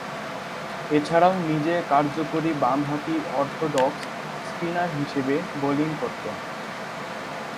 এছাড়াও নিজে কার্যকরী বামহাতি অর্থোডক্স স্পিনার হিসেবে বোলিং করতেন।